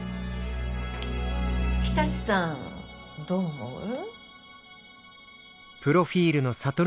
日立さんどう思う？